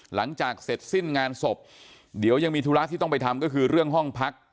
หลังจากเสร็จสิ้นงานศพเดี๋ยวยังมีธุระที่ต้องไปทำก็คือเรื่องห้องพัก